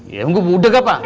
ya emang gue muda kak